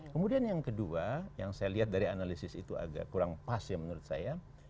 kemudian yang kedua yang saya lihat dari analisis itu agak kurang pas ya menurut saya